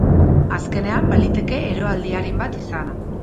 Azkenean, baliteke eroaldi arin bat izana.